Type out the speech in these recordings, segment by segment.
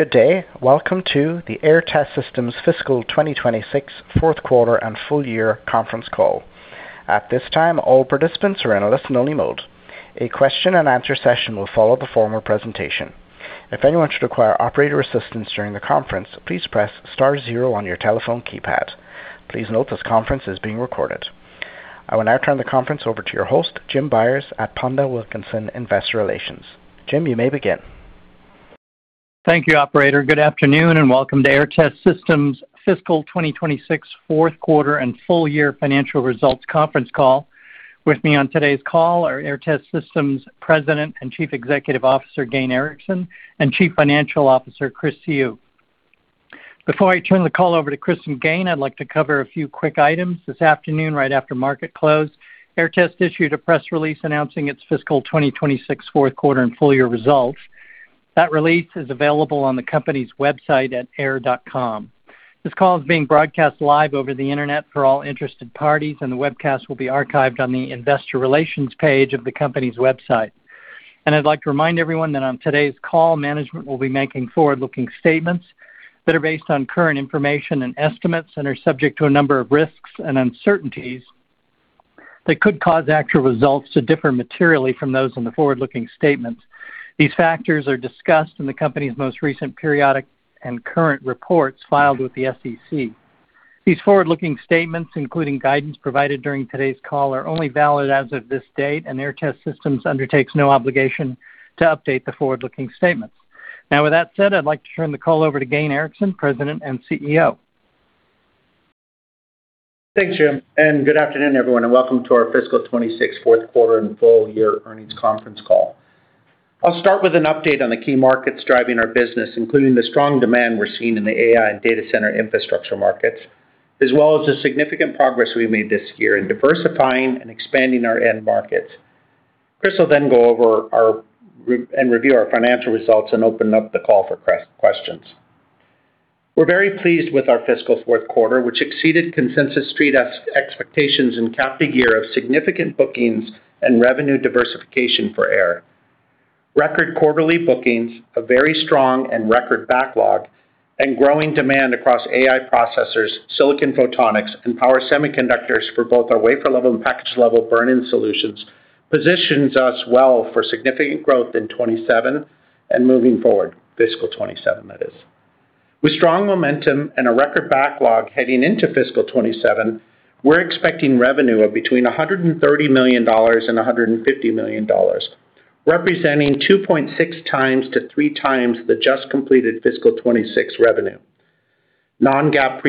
Good day. Welcome to the Aehr Test Systems' fiscal 2026 Fourth Quarter and Full Year Conference Call. At this time, all participants are in a listen-only mode. A question-and-answer session will follow the formal presentation. If anyone should require operator assistance during the conference, please press star zero on your telephone keypad. Please note this conference is being recorded. I will now turn the conference over to your host, Jim Byers at PondelWilkinson, Investor Relations. Jim, you may begin. Thank you, operator. Good afternoon, and welcome to Aehr Test Systems' fiscal 2026 fourth quarter and full year financial results conference call. With me on today's call are Aehr Test Systems' President and Chief Executive Officer, Gayn Erickson, and Chief Financial Officer, Chris Siu. Before I turn the call over to Chris and Gayn, I'd like to cover a few quick items. This afternoon, right after market close, Aehr Test issued a press release announcing its fiscal 2026 fourth quarter and full-year results. That release is available on the company's website at aehr.com. This call is being broadcast live over the internet for all interested parties, and the webcast will be archived on the Investor Relations page of the company's website. I'd like to remind everyone that on today's call, management will be making forward-looking statements that are based on current information and estimates and are subject to a number of risks and uncertainties that could cause actual results to differ materially from those in the forward-looking statements. These factors are discussed in the company's most recent periodic and current reports filed with the SEC. These forward-looking statements, including guidance provided during today's call, are only valid as of this date, and Aehr Test Systems undertakes no obligation to update the forward-looking statements. With that said, I'd like to turn the call over to Gayn Erickson, President and CEO. Thanks, Jim. Good afternoon, everyone. Welcome to our fiscal 2026 fourth quarter and full year earnings conference call. I'll start with an update on the key markets driving our business, including the strong demand we're seeing in the AI and data center infrastructure markets, as well as the significant progress we made this year in diversifying and expanding our end markets. Chris will go over and review our financial results and open up the call for questions. We're very pleased with our fiscal fourth quarter, which exceeded consensus street expectations and capped a year of significant bookings and revenue diversification for Aehr. Record quarterly bookings, a very strong and record backlog, and growing demand across AI processors, silicon photonics, and power semiconductors for both our wafer-level and package-level burn-in solutions positions us well for significant growth in 2027 and moving forward. Fiscal 2027, that is. With strong momentum and a record backlog heading into fiscal 2027, we are expecting revenue of between $130 million and $150 million, representing 2.6x-3x the just-completed fiscal 2026 revenue. Non-GAAP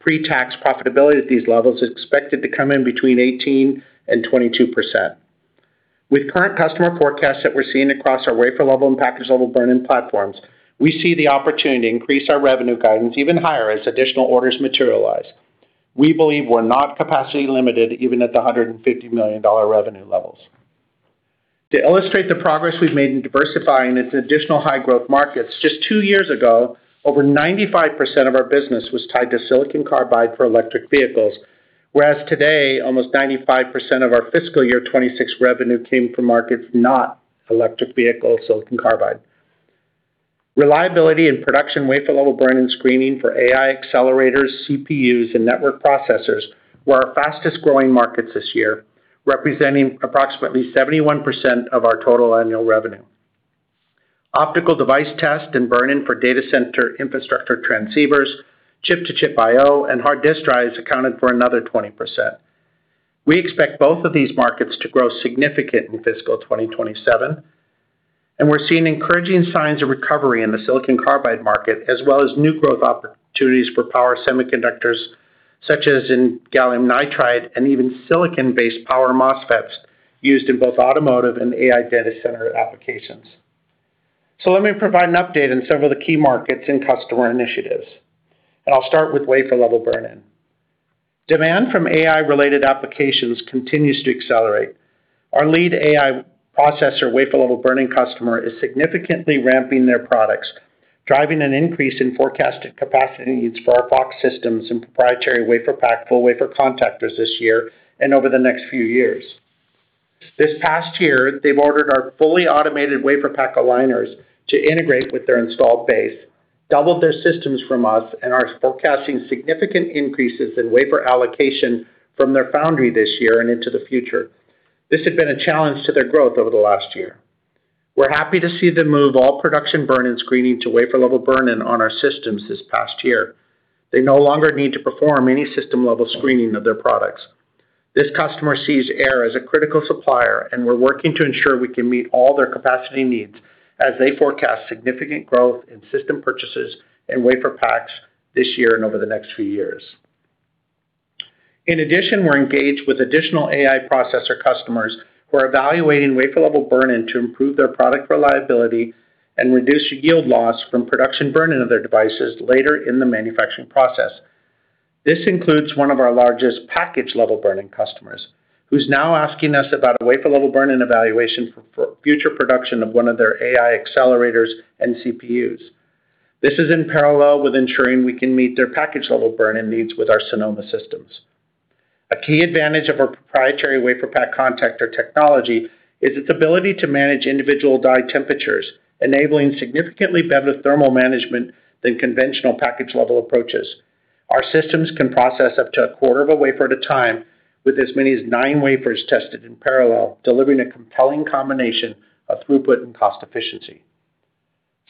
pre-tax profitability at these levels is expected to come in between 18% and 22%. With current customer forecasts that we are seeing across our wafer-level and package-level burn-in platforms, we see the opportunity to increase our revenue guidance even higher as additional orders materialize. We believe we are not capacity limited even at the $150 million revenue levels. To illustrate the progress we have made in diversifying into additional high-growth markets, just two years ago, over 95% of our business was tied to silicon carbide for electric vehicles, whereas today, almost 95% of our fiscal year 2026 revenue came from markets not electric vehicle silicon carbide. Reliability and production wafer-level burn and screening for AI accelerators, CPUs, and network processors were our fastest-growing markets this year, representing approximately 71% of our total annual revenue. Optical device test and burn-in for data center infrastructure transceivers, chip-to-chip I/O, and hard disk drives accounted for another 20%. We expect both of these markets to grow significant in fiscal 2027, and we are seeing encouraging signs of recovery in the silicon carbide market, as well as new growth opportunities for power semiconductors, such as in gallium nitride and even silicon-based power MOSFETs used in both automotive and AI data center applications. Let me provide an update on several of the key markets and customer initiatives, and I will start with wafer-level burn-in. Demand from AI-related applications continues to accelerate. Our lead AI processor wafer-level burn-in customer is significantly ramping their products, driving an increase in forecasted capacity needs for our FOX systems and proprietary WaferPak, full WaferPak Contactors this year and over the next few years. This past year, they have ordered our fully automated WaferPak Aligners to integrate with their installed base, doubled their systems from us, and are forecasting significant increases in wafer allocation from their foundry this year and into the future. This had been a challenge to their growth over the last year. We are happy to see them move all production burn-in and screening to wafer-level burn-in on our systems this past year. They no longer need to perform any system-level screening of their products. This customer sees Aehr as a critical supplier, and we are working to ensure we can meet all their capacity needs as they forecast significant growth in system purchases and WaferPaks this year and over the next few years. In addition, we are engaged with additional AI processor customers who are evaluating wafer-level burn-in to improve their product reliability and reduce yield loss from production burn-in of their devices later in the manufacturing process. This includes one of our largest package-level burn-in customers, who is now asking us about a wafer-level burn-in evaluation for future production of one of their AI accelerators and CPUs. This is in parallel with ensuring we can meet their package-level burn-in needs with our Sonoma systems. A key advantage of our proprietary WaferPak Contactor technology is its ability to manage individual die temperatures, enabling significantly better thermal management than conventional package-level approaches. Our systems can process up to a quarter of a wafer at a time, with as many as nine wafers tested in parallel, delivering a compelling combination of throughput and cost efficiency.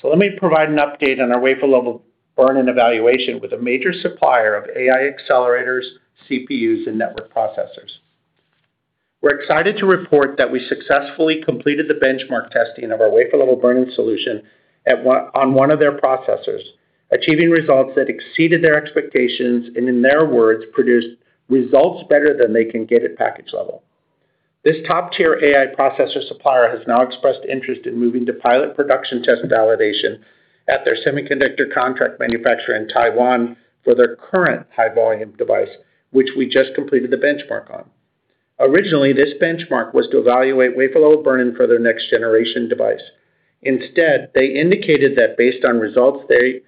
Let me provide an update on our wafer-level burn-in evaluation with a major supplier of AI accelerators, CPUs, and network processors. We are excited to report that we successfully completed the benchmark testing of our wafer-level burn-in solution on one of their processors, achieving results that exceeded their expectations and, in their words, produced results better than they can get at package-level. This top-tier AI processor supplier has now expressed interest in moving to pilot production test validation at their semiconductor contract manufacturer in Taiwan for their current high-volume device, which we just completed the benchmark on. Originally, this benchmark was to evaluate wafer-level burn-in for their next-generation device. Instead, they indicated that based on the results, they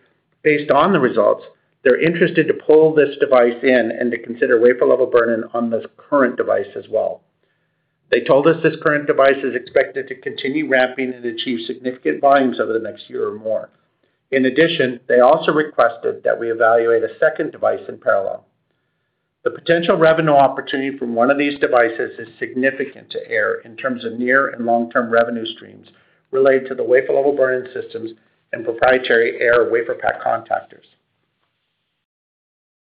are interested to pull this device in and to consider wafer-level burn-in on this current device as well. They told us this current device is expected to continue ramping and achieve significant volumes over the next year or more. In addition, they also requested that we evaluate a second device in parallel. The potential revenue opportunity from one of these devices is significant to Aehr in terms of near and long-term revenue streams related to the wafer-level burn-in systems and proprietary Aehr WaferPak Contactors.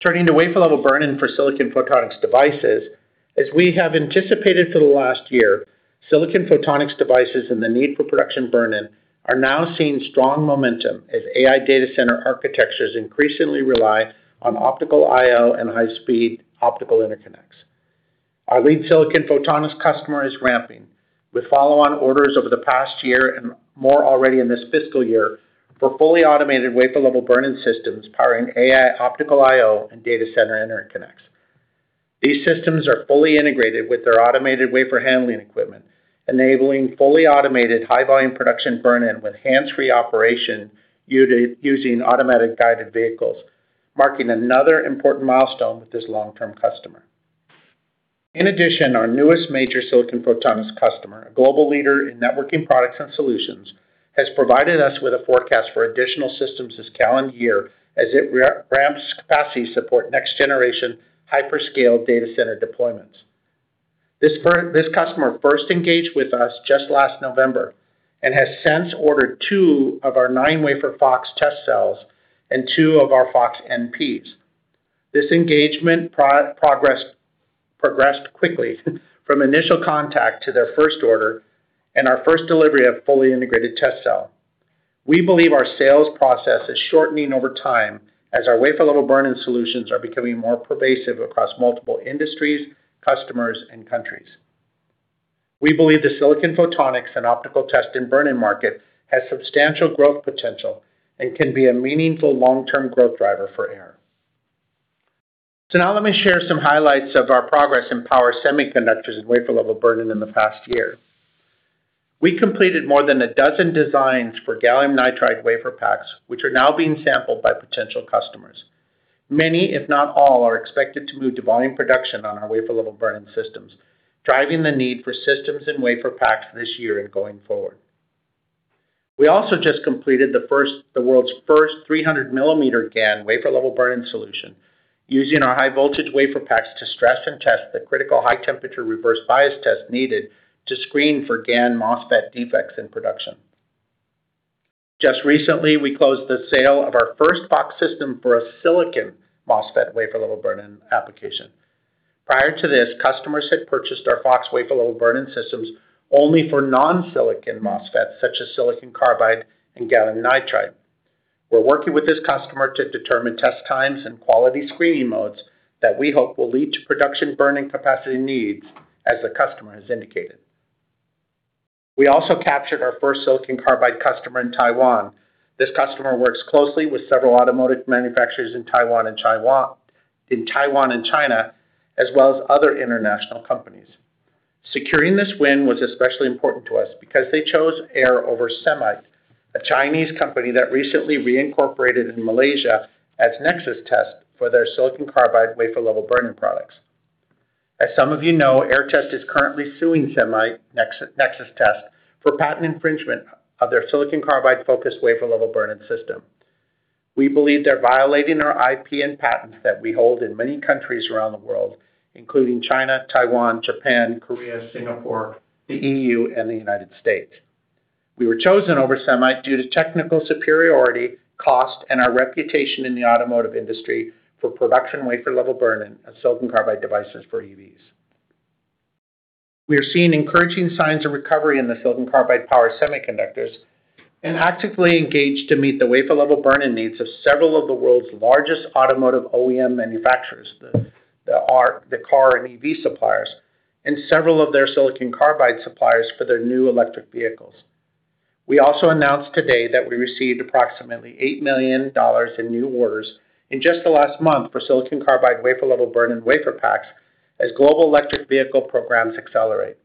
Turning to wafer-level burn-in for silicon photonics devices, as we have anticipated for the last year, silicon photonics devices and the need for production burn-in are now seeing strong momentum as AI data center architectures increasingly rely on optical I/O and high-speed optical interconnects. Our lead silicon photonics customer is ramping, with follow-on orders over the past year and more already in this fiscal year for fully-automated wafer-level burn-in systems powering AI optical I/O and data center interconnects. These systems are fully integrated with their automated wafer handling equipment, enabling fully automated high-volume production burn-in with hands-free operation using automatic guided vehicles, marking another important milestone with this long-term customer. In addition, our newest major silicon photonics customer, a global leader in networking products and solutions, has provided us with a forecast for additional systems this calendar year as it ramps capacity support next-generation hyperscale data center deployments. This customer first engaged with us just last November and has since ordered two of our nine-wafer FOX test cells and two of our FOX-NPs. This engagement progressed quickly from initial contact to their first order and our first delivery of fully-integrated test cell. We believe our sales process is shortening over time as our wafer-level burn-in solutions are becoming more pervasive across multiple industries, customers, and countries. We believe the silicon photonics and optical test and burn-in market has substantial growth potential and can be a meaningful long-term growth driver for Aehr. Now, let me share some highlights of our progress in power semiconductors and wafer-level burn-in in the past year. We completed more than a dozen designs for gallium nitride WaferPaks, which are now being sampled by potential customers. Many, if not all, are expected to move to volume production on our wafer-level burn-in systems, driving the need for systems and WaferPaks this year and going forward. We also just completed the world's first 300 mm GaN wafer-level burn-in solution using our high-voltage WaferPaks to stress and test the critical high-temperature reverse bias test needed to screen for GaN MOSFET defects in production. Just recently, we closed the sale of our first FOX system for a silicon MOSFET wafer-level burn-in application. Prior to this, customers had purchased our FOX wafer-level burn-in systems only for non-silicon MOSFET, such as silicon carbide and gallium nitride. We're working with this customer to determine test times and quality screening modes that we hope will lead to production burn-in capacity needs as the customer has indicated. We also captured our first silicon carbide customer in Taiwan. This customer works closely with several automotive manufacturers in Taiwan and China, as well as other international companies. Securing this win was especially important to us because they chose Aehr over SEMI, a Chinese company that recently reincorporated in Malaysia as NEXUSTEST for their silicon carbide wafer-level burn-in products. As some of you know, Aehr Test Systems is currently suing SEMI NEXUSTEST for patent infringement of their silicon carbide-focused wafer-level burn-in system. We believe they're violating our IP and patents that we hold in many countries around the world, including China, Taiwan, Japan, Korea, Singapore, the E.U., and the United States. We were chosen over SEMI due to technical superiority, cost, and our reputation in the automotive industry for production wafer-level burn-in of silicon carbide devices for EVs. We are seeing encouraging signs of recovery in the silicon carbide power semiconductors and actively engaged to meet the wafer-level burn-in needs of several of the world's largest automotive OEM manufacturers, the car and EV suppliers, and several of their silicon carbide suppliers for their new electric vehicles. We also announced today that we received approximately $8 million in new orders in just the last month for silicon carbide wafer-level burn-in WaferPaks as global electric vehicle programs accelerate.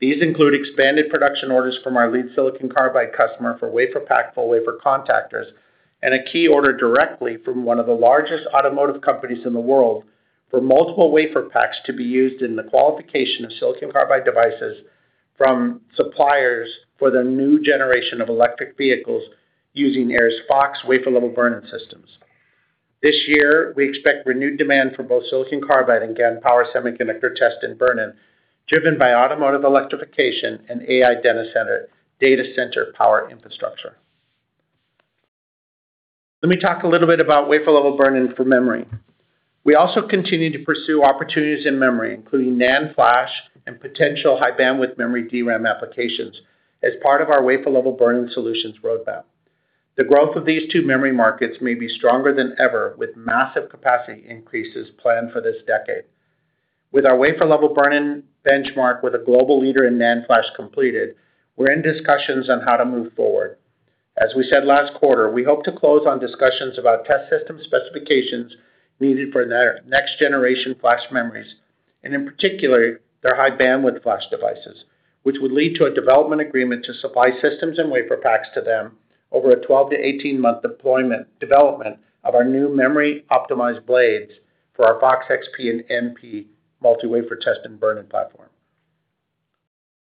These include expanded production orders from our lead silicon carbide customer for WaferPak, full wafer contactors, and a key order directly from one of the largest automotive companies in the world for multiple WaferPaks to be used in the qualification of silicon carbide devices from suppliers for the new generation of electric vehicles using Aehr's FOX wafer-level burn-in systems. This year, we expect renewed demand for both silicon carbide and GaN power semiconductor test and burn-in, driven by automotive electrification and AI data center power infrastructure. Let me talk a little bit about wafer-level burn-in for memory. We also continue to pursue opportunities in memory, including NAND flash and potential high bandwidth memory DRAM applications as part of our wafer-level burn-in solutions roadmap. The growth of these two memory markets may be stronger than ever, with massive capacity increases planned for this decade. With our wafer-level burn-in benchmark with a global leader in NAND flash completed, we're in discussions on how to move forward. As we said last quarter, we hope to close on discussions about test system specifications needed for next-generation flash memories, and in particular, their high bandwidth flash devices, which would lead to a development agreement to supply systems and WaferPaks to them over a 12 to 18-month deployment development of our new memory-optimized blades for our FOX-XP and FOX-MP multi-wafer test and burn-in platform.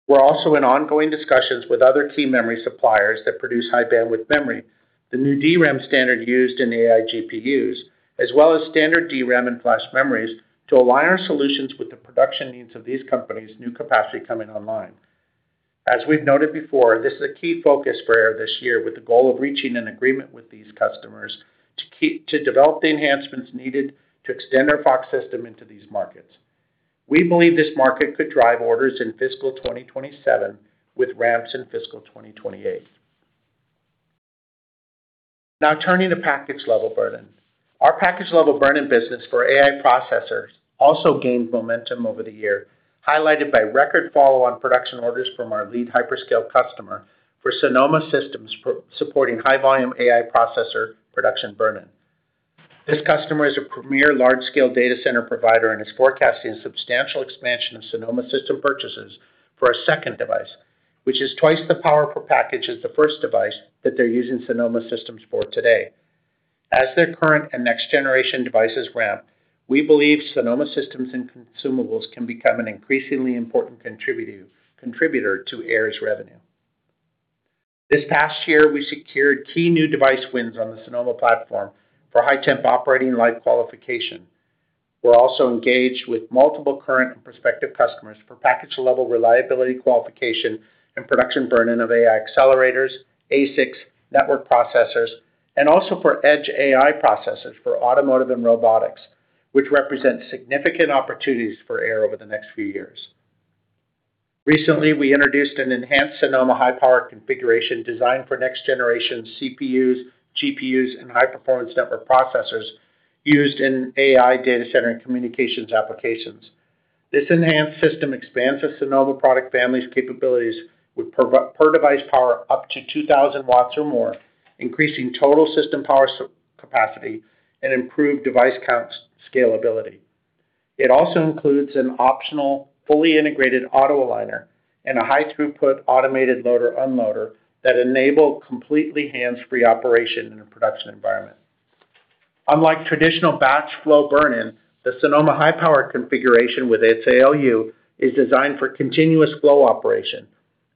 We're also in ongoing discussions with other key memory suppliers that produce high bandwidth memory, the new DRAM standard used in AI GPUs, as well as standard DRAM and flash memories to align our solutions with the production needs of these companies' new capacity coming online. As we've noted before, this is a key focus for Aehr this year with the goal of reaching an agreement with these customers to develop the enhancements needed to extend our FOX system into these markets. We believe this market could drive orders in fiscal 2027 with ramps in fiscal 2028. Now, turning to package-level burn-in. Our package-level burn-in business for AI processors also gained momentum over the year, highlighted by record follow-on production orders from our lead hyperscale customer for Sonoma systems supporting high-volume AI processor production burn-in. This customer is a premier large-scale data center provider and is forecasting a substantial expansion of Sonoma system purchases for a second device, which is twice the power per package as the first device that they're using Sonoma systems for today. As their current and next-generation devices ramp, we believe Sonoma systems and consumables can become an increasingly important contributor to Aehr's revenue. This past year, we secured key new device wins on the Sonoma platform for high-temp operating life qualification. We're also engaged with multiple current and prospective customers for package-level reliability qualification and production burn-in of AI accelerators, ASICs, network processors, and also for edge AI processors for automotive and robotics, which represent significant opportunities for Aehr over the next few years. Recently, we introduced an enhanced Sonoma high-power configuration designed for next-generation CPUs, GPUs, and high-performance network processors used in AI data center and communications applications. This enhanced system expands the Sonoma product family's capabilities with per-device power up to 2,000 W or more, increasing total system power capacity and improved device count scalability. It also includes an optional, fully-integrated AutoAligner and a high throughput automated loader/unloader that enable completely hands-free operation in a production environment. Unlike traditional batch flow burn-in, the Sonoma high-power configuration with its ALU is designed for continuous flow operation,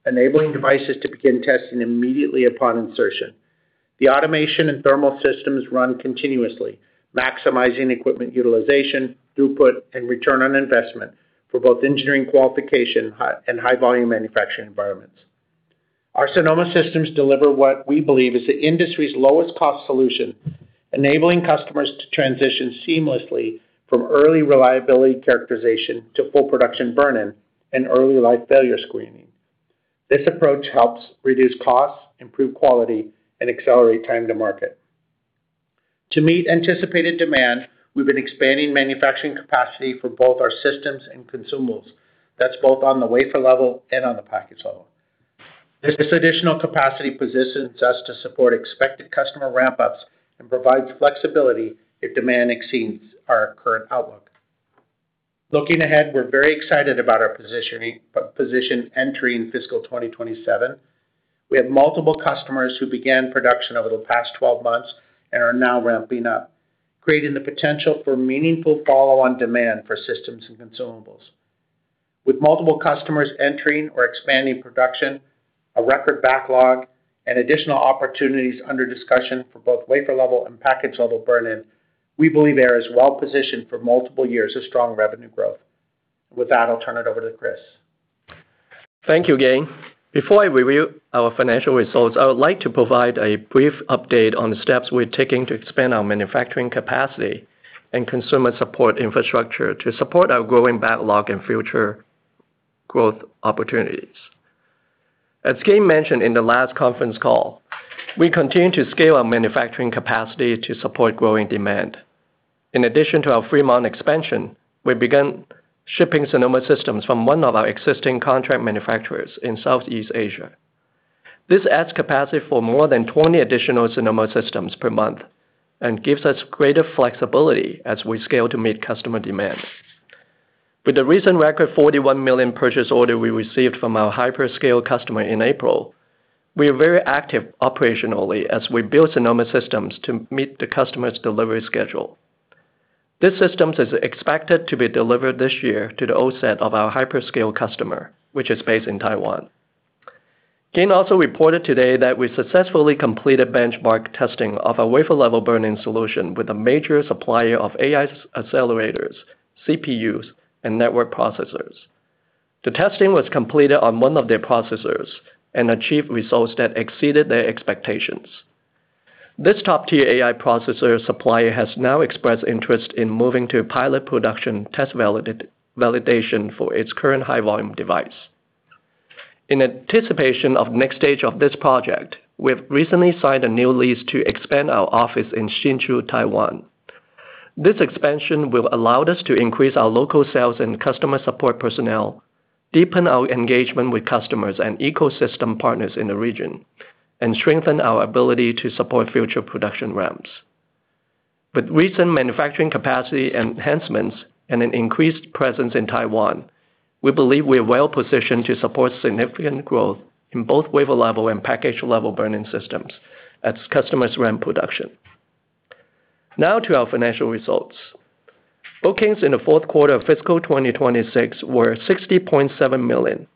enabling devices to begin testing immediately upon insertion. The automation and thermal systems run continuously, maximizing equipment utilization, throughput, and return on investment for both engineering qualification and high-volume manufacturing environments. Our Sonoma systems deliver what we believe is the industry's lowest cost solution, enabling customers to transition seamlessly from early reliability characterization to full production burn-in and early life failure screening. This approach helps reduce costs, improve quality, and accelerate time to market. To meet anticipated demand, we've been expanding manufacturing capacity for both our systems and consumables—that's both on the wafer-level and on the package-level. This additional capacity positions us to support expected customer ramp-ups and provides flexibility if demand exceeds our current outlook. Looking ahead, we're very excited about our position entering fiscal 2027. We have multiple customers who began production over the past 12 months and are now ramping up, creating the potential for meaningful follow-on demand for systems and consumables. With multiple customers entering or expanding production, a record backlog, and additional opportunities under discussion for both wafer-level and package-level burn-in, we believe Aehr is well positioned for multiple years of strong revenue growth. With that, I'll turn it over to Chris. Thank you, Gayn. Before I review our financial results, I would like to provide a brief update on the steps we're taking to expand our manufacturing capacity and consumer support infrastructure to support our growing backlog and future growth opportunities. As Gayn mentioned in the last conference call, we continue to scale our manufacturing capacity to support growing demand. In addition to our Fremont expansion, we began shipping Sonoma systems from one of our existing contract manufacturers in Southeast Asia. This adds capacity for more than 20 additional Sonoma systems per month and gives us greater flexibility as we scale to meet customer demand. With the recent record $41 million purchase order we received from our hyperscale customer in April, we are very active operationally as we build Sonoma systems to meet the customer's delivery schedule. These systems is expected to be delivered this year to the offset of our hyperscale customer, which is based in Taiwan. Gayn also reported today that we successfully completed benchmark testing of our wafer-level burn-in solution with a major supplier of AI accelerators, CPUs, and network processors. The testing was completed on one of their processors and achieved results that exceeded their expectations. This top-tier AI processor supplier has now expressed interest in moving to pilot production test validation for its current high-volume device. In anticipation of next stage of this project, we have recently signed a new lease to expand our office in Hsinchu, Taiwan. This expansion will allow us to increase our local sales and customer support personnel, deepen our engagement with customers and ecosystem partners in the region, and strengthen our ability to support future production ramps. With recent manufacturing capacity enhancements and an increased presence in Taiwan, we believe we are well positioned to support significant growth in both wafer-level and package-level burn-in systems as customers ramp production. Now, to our financial results. Bookings in the fourth quarter of fiscal 2026 were $60.7 million,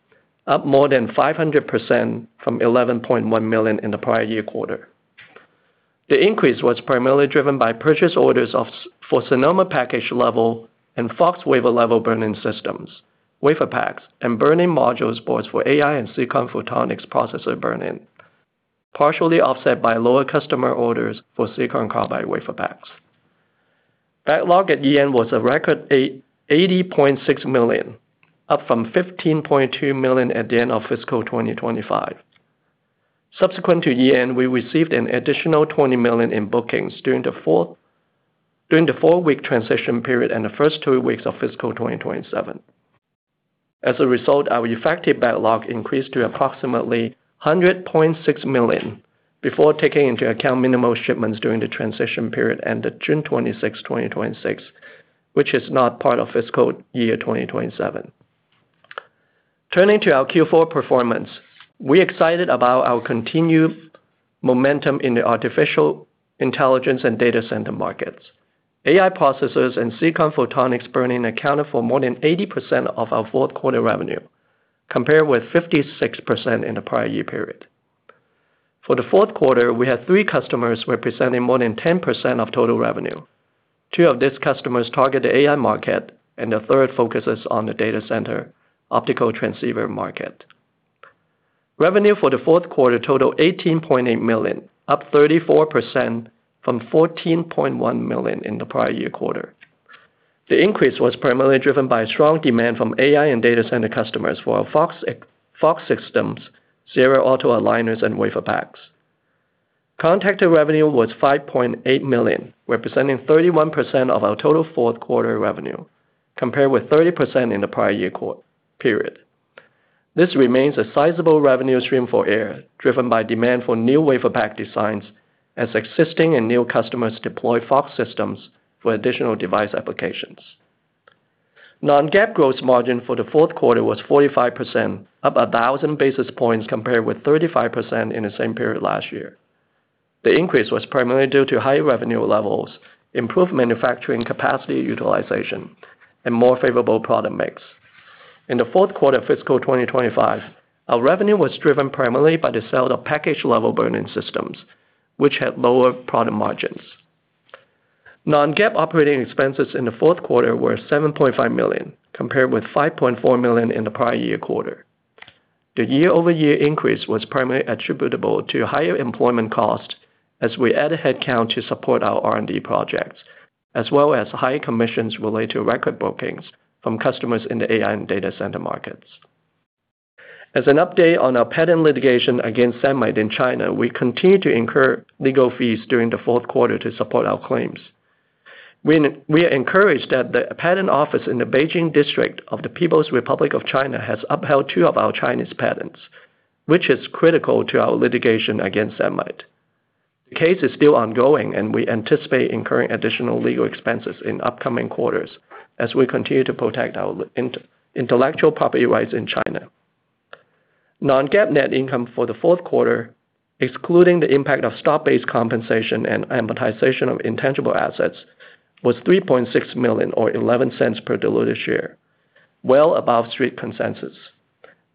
up more than 500% from $11.1 million in the prior year quarter. The increase was primarily driven by purchase orders for Sonoma package-level and FOX wafer-level burn-in systems, WaferPaks, and burn-in module boards for AI and silicon photonics processor burn-in, partially offset by lower customer orders for silicon carbide WaferPaks. Backlog at year end was a record $80.6 million, up from $15.2 million at the end of fiscal 2025. Subsequent to year end, we received an additional $20 million in bookings during the four-week transition period and the first two weeks of fiscal 2027. As a result, our effective backlog increased to approximately $100.6 million before taking into account minimal shipments during the transition period and the June 26th, 2026, which is not part of fiscal year 2027. Turning to our Q4 performance, we're excited about our continued momentum in the artificial intelligence and data center markets. AI processors and silicon photonics burn-in accounted for more than 80% of our fourth quarter revenue, compared with 56% in the prior year period. For the fourth quarter, we had three customers representing more than 10% of total revenue. Two of these customers target the AI market, and the third focuses on the data center optical transceiver market. Revenue for the fourth quarter totaled $18.8 million, up 34% from $14.1 million in the prior year quarter. The increase was primarily driven by strong demand from AI and data center customers for our FOX systems, ZeroAutoAligners, and WaferPaks. Contracted revenue was $5.8 million, representing 31% of our total fourth quarter revenue, compared with 30% in the prior year period. This remains a sizable revenue stream for Aehr, driven by demand for new WaferPak designs as existing and new customers deploy FOX systems for additional device applications. Non-GAAP gross margin for the fourth quarter was 45%, up 1,000 basis points compared with 35% in the same period last year. The increase was primarily due to higher revenue levels, improved manufacturing capacity utilization, and more favorable product mix. In the fourth quarter of fiscal 2025, our revenue was driven primarily by the sale of package-level burn-in systems, which had lower product margins. Non-GAAP operating expenses in the fourth quarter were $7.5 million, compared with $5.4 million in the prior year quarter. The year-over-year increase was primarily attributable to higher employment costs as we add headcount to support our R&D projects, as well as high commissions related to record bookings from customers in the AI and data center markets. As an update on our patent litigation against SEMI in China, we continue to incur legal fees during the fourth quarter to support our claims. We are encouraged that the patent office in the Beijing district of the People's Republic of China has upheld two of our Chinese patents, which is critical to our litigation against SEMI. The case is still ongoing, and we anticipate incurring additional legal expenses in upcoming quarters as we continue to protect our intellectual property rights in China. Non-GAAP net income for the fourth quarter, excluding the impact of stock-based compensation and amortization of intangible assets, was $3.6 million, or $0.11 per diluted share, well above Street Consensus.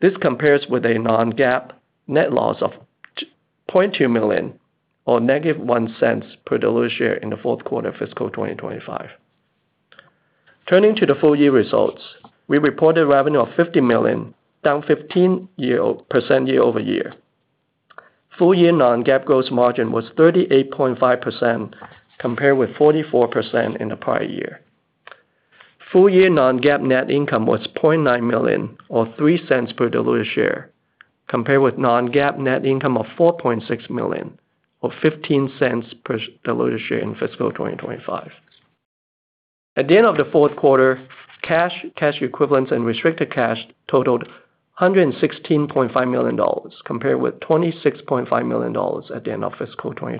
This compares with a non-GAAP net loss of $0.2 million, or -$0.01 per diluted share in the fourth quarter of fiscal 2025. Turning to the full year results, we reported revenue of $50 million, down 15% year-over-year. Full-year non-GAAP gross margin was 38.5%, compared with 44% in the prior year. Full-year non-GAAP net income was $0.9 million, or $0.03 per diluted share, compared with non-GAAP net income of $4.6 million, or $0.15 per diluted share in fiscal 2025. At the end of the fourth quarter, cash, cash equivalents, and restricted cash totaled $116.5 million, compared with $26.5 million at the end of fiscal 2025.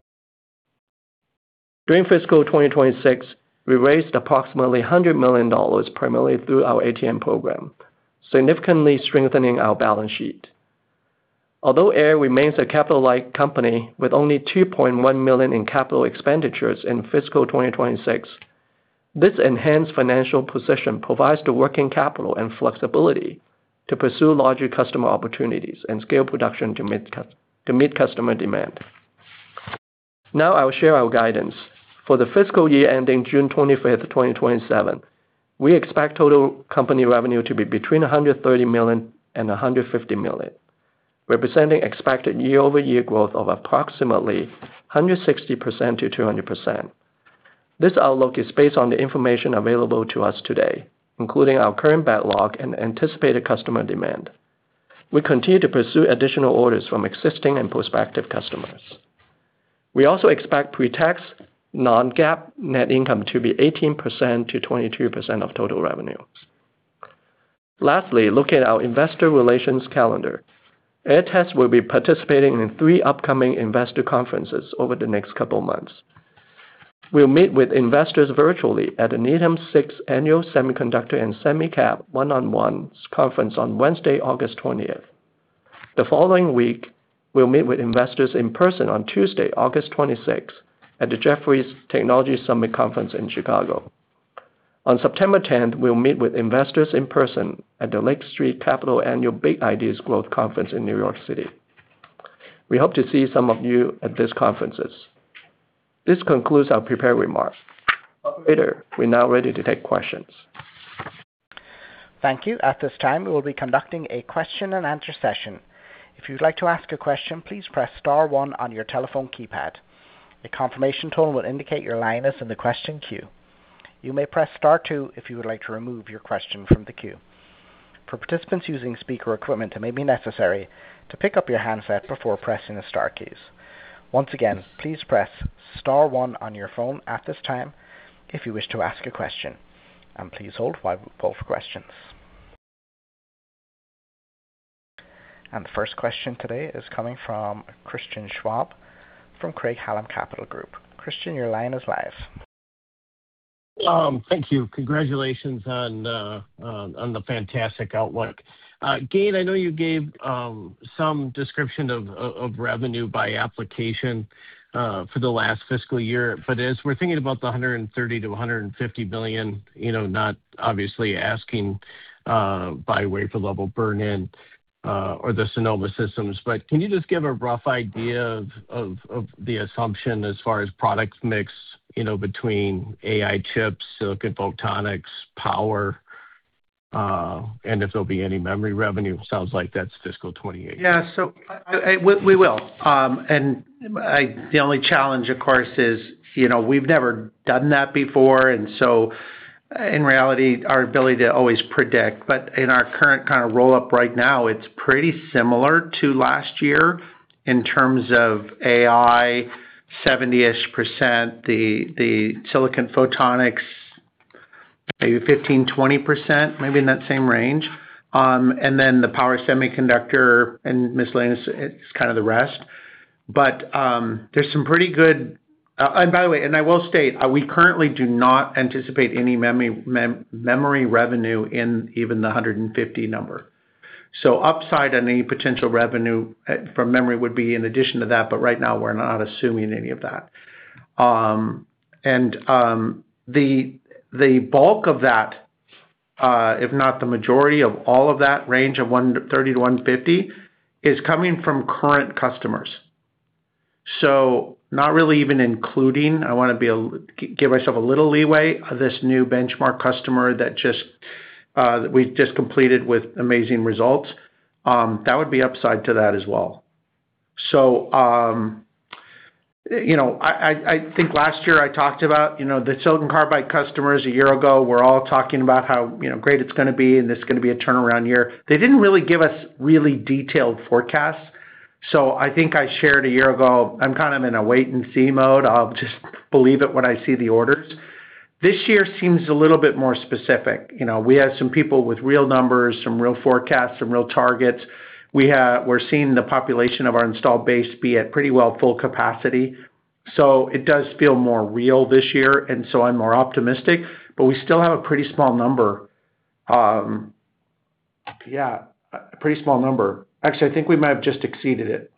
During fiscal 2026, we raised approximately $100 million primarily through our ATM program, significantly strengthening our balance sheet. Although Aehr remains a capital-light company with only $2.1 million in capital expenditures in fiscal 2026, this enhanced financial position provides the working capital and flexibility to pursue larger customer opportunities and scale production to meet customer demand. Now, I will share our guidance. For the fiscal year ending June 25th, 2027, we expect total company revenue to be between $130 million and $150 million, representing expected year-over-year growth of approximately 160%-200%. This outlook is based on the information available to us today, including our current backlog and anticipated customer demand. We continue to pursue additional orders from existing and prospective customers. We also expect pretax non-GAAP net income to be 18%-22% of total revenue. Lastly, looking at our investor relations calendar. Aehr Test will be participating in three upcoming investor conferences over the next couple of months. We will meet with investors virtually at the Needham 6th Annual Semiconductor & SemiCap 1x1 Conference on Wednesday, August 20th. The following week, we will meet with investors in person on Tuesday, August 26th, at the Jefferies Technology Summit Conference in Chicago. On September 10th, we will meet with investors in person at the Lake Street Capital Annual Best Ideas Growth Conference in New York City. We hope to see some of you at these conferences. This concludes our prepared remarks. Operator, we are now ready to take questions. Thank you. At this time, we will be conducting a question-and-answer session. If you would like to ask a question, please press star one on your telephone keypad. A confirmation tone will indicate your line is in the question queue. You may press star two if you would like to remove your question from the queue. For participants using speaker equipment, it may be necessary to pick up your handset before pressing the star keys. Once again, please press star one on your phone at this time if you wish to ask a question. Please hold while we call for questions. The first question today is coming from Christian Schwab from Craig-Hallum Capital Group. Christian, your line is live. Thank you. Congratulations on the fantastic outlook. Gayn, I know you gave some description of revenue by application for the last fiscal year. For this, we are thinking about the $130 million-$150 million, not obviously asking by way for level burn-in or the Sonoma systems. Can you just give a rough idea of the assumption as far as product mix between AI chips, silicon photonics, power? And, if there will be any memory revenue—sounds like that is fiscal 2028? We will. The only challenge, of course, is we've never done that before. In reality, our ability to always predict, but in our current kind of roll-up right now, it's pretty similar to last year in terms of AI, around 70%, the silicon photonics, maybe 15%-20%, maybe in that same range. The power semiconductor and miscellaneous, it's kind of the rest. By the way, I will state, we currently do not anticipate any memory revenue in even the $150 billion number. Upside, any potential revenue from memory would be in addition to that. Right now, we're not assuming any of that. The bulk of that, if not the majority of all of that range of $130 million-$150 million, is coming from current customers. Not really even including—I want to give myself a little leeway—this new benchmark customer that we've just completed with amazing results. That would be upside to that as well. I think, last year, I talked about the silicon carbide customers. We're all talking about how great it's going to be, and it's going to be a turnaround year. They didn't really give us really detailed forecasts. I think I shared, a year ago, I'm kind of in a wait-and-see mode. I'll just believe it when I see the orders. This year seems a little bit more specific. We have some people with real numbers, some real forecasts, some real targets. We're seeing the population of our installed base be at pretty well full capacity. It does feel more real this year. I'm more optimistic. We still have a pretty small number. Actually, I think we might have just exceeded it.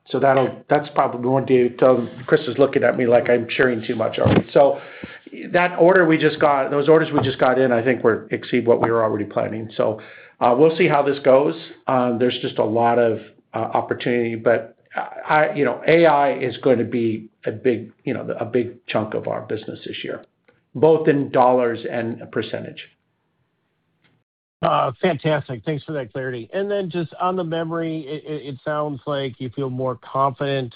Chris is looking at me like I'm sharing too much already. That order we just got, those orders we just got in, I think we exceed what we were already planning. We'll see how this goes. There's just a lot of opportunity. AI is going to be a big chunk of our business this year, both in dollars and percentage. Fantastic. Thanks for that clarity. Just on the memory, it sounds like you feel more confident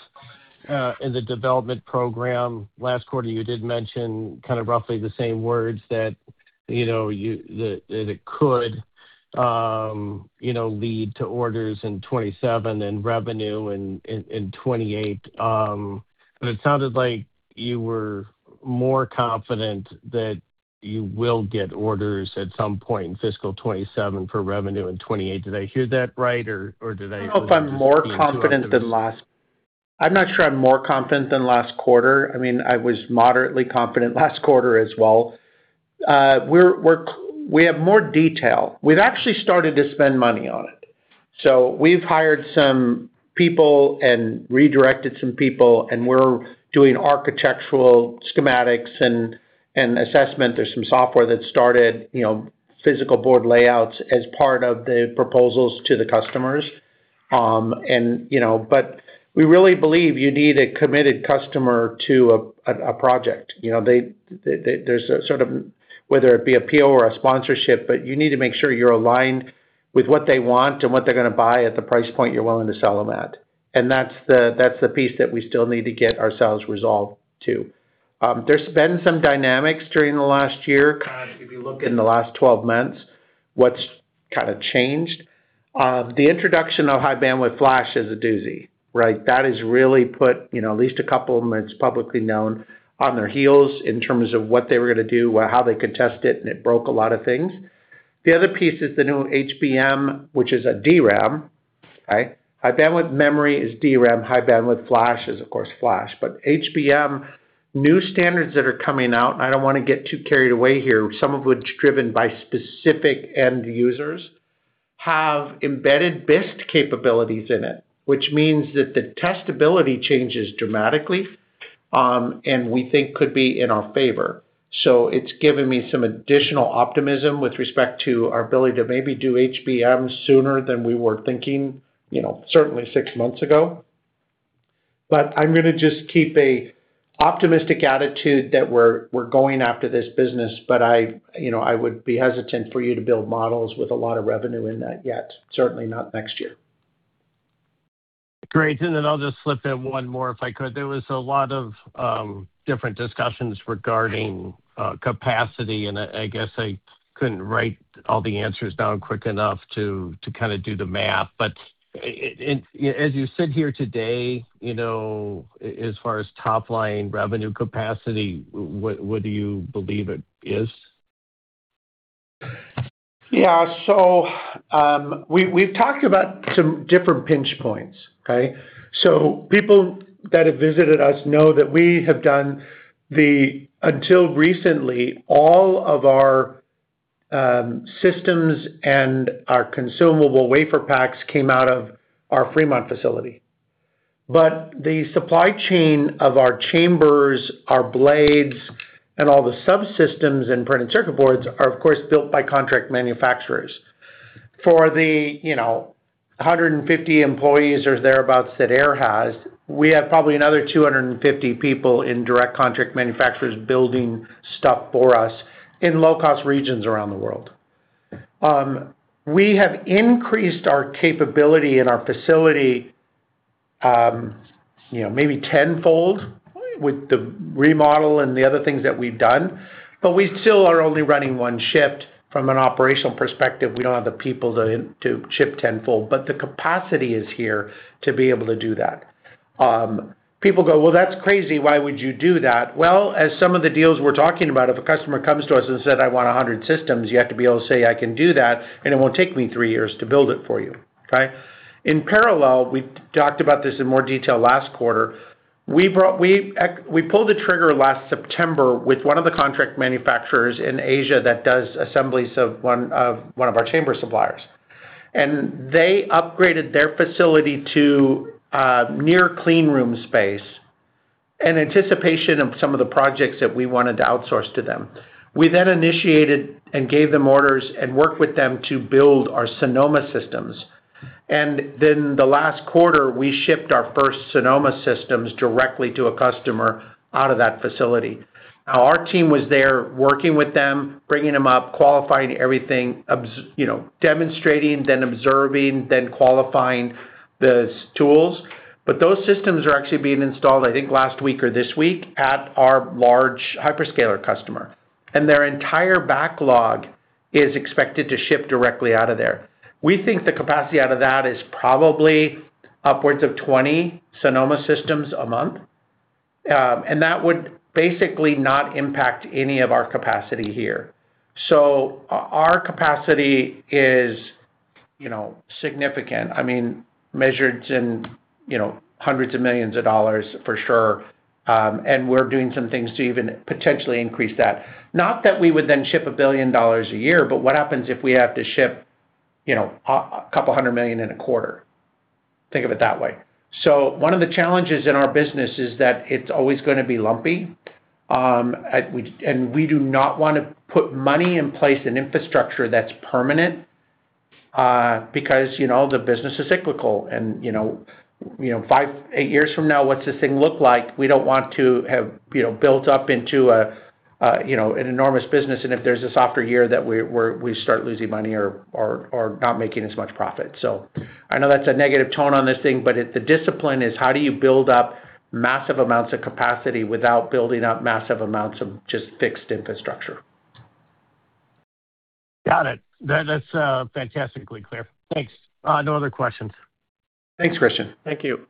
in the development program. Last quarter, you did mention kind of roughly the same words that it could lead to orders in 2027 and revenue in 2028. It sounded like you were more confident that you will get orders at some point in fiscal 2027 for revenue in 2028. Did I hear that right? I don't know if I'm more confident than last. I'm not sure I'm more confident than last quarter. I was moderately confident last quarter as well. We have more detail. We've actually started to spend money on it. We've hired some people and redirected some people, and we're doing architectural schematics and assessment. There's some software that started, physical board layouts, as part of the proposals to the customers. We really believe you need a committed customer to a project. There's a sort of—whether it be a PO or a sponsorship—you need to make sure you're aligned with what they want and what they're going to buy at the price point you're willing to sell them at. That's the piece that we still need to get ourselves resolved to. There's been some dynamics during the last year, in the last 12 months. What's kind of changed? The introduction of high bandwidth flash is a doozy. That has really put at least a couple of them, it's publicly known, on their heels in terms of what they were going to do, how they could test it, and it broke a lot of things. The other piece is the new HBM, which is a DRAM. High bandwidth memory is DRAM. High bandwidth flash is, of course, flash. HBM, new standards that are coming out, and I don't want to get too carried away here, some of which are driven by specific end users, have embedded BIST capabilities in it, which means that the testability changes dramatically, and we think could be in our favor. It's given me some additional optimism with respect to our ability to maybe do HBM sooner than we were thinking, certainly six months ago. I'm going to just keep an optimistic attitude that we're going after this business, but I would be hesitant for you to build models with a lot of revenue in that yet, certainly not next year. Great. I'll just slip in one more, if I could. There was a lot of different discussions regarding capacity, and I guess I couldn't write all the answers down quick enough to kind of do the math. As you sit here today, as far as top-line revenue capacity, what do you believe it is? We've talked about some different pinch points. People that have visited us know that we have done the—until recently, all of our systems and our consumable WaferPaks came out of our Fremont facility. The supply chain of our chambers, our blades, and all the subsystems and printed circuit boards are, of course, built by contract manufacturers. For the 150 employees or thereabouts that Aehr has, we have probably another 250 people in direct contract manufacturers building stuff for us in low-cost regions around the world. We have increased our capability in our facility maybe tenfold with the remodel and the other things that we've done. We still are only running one shift. From an operational perspective, we don't have the people to ship tenfold, but the capacity is here to be able to do that. People go, that's crazy. Why would you do that? Well, as some of the deals we're talking about, if a customer comes to us and said, I want 100 systems, you have to be able to say, I can do that, and it won't take me three years to build it for you. In parallel, we talked about this in more detail last quarter, we pulled the trigger last September with one of the contract manufacturers in Asia that does assemblies of one of our chamber suppliers. They upgraded their facility to near clean room space in anticipation of some of the projects that we wanted to outsource to them. We initiated and gave them orders and worked with them to build our Sonoma systems. The last quarter, we shipped our first Sonoma systems directly to a customer out of that facility. Now, our team was there, working with them, bringing them up, qualifying everything, demonstrating, then observing, then qualifying the tools. Those systems are actually being installed, I think, last week or this week at our large hyperscaler customer. Their entire backlog is expected to ship directly out of there. We think the capacity out of that is probably upwards of 20 Sonoma systems a month, and that would basically not impact any of our capacity here. Our capacity is significant, measured in hundreds of millions of dollars, for sure. We're doing some things to even potentially increase that. Not that we would then ship $1 billion a year, but what happens if we have to ship a couple hundred million in a quarter? Think of it that way. One of the challenges in our business is that it's always going to be lumpy. We do not want to put money in place in infrastructure that's permanent, because the business is cyclical, and five, eight years from now, what's this thing look like? We don't want to have built up into an enormous business, and if there's a softer year that we start losing money or not making as much profit. I know that's a negative tone on this thing, but the discipline is how do you build up massive amounts of capacity without building up massive amounts of just-fixed infrastructure? Got it. That's fantastically clear. Thanks. No other questions. Thanks, Christian. Thank you.